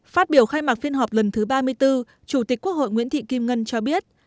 phát biểu khai mạc phiên họp lần thứ ba mươi bốn chủ tịch quốc hội nguyễn thị kim ngân cho biết